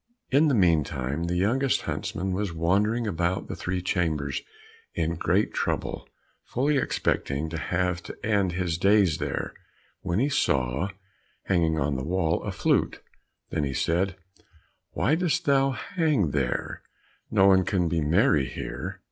In the meantime the youngest huntsman was wandering about the three chambers in great trouble, fully expecting to have to end his days there, when he saw, hanging on the wall, a flute; then said he, "Why dost thou hang there, no one can be merry here?"